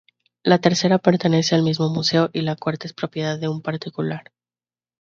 La tercera pertenece al mismo museo y la cuarta es propiedad de un particular.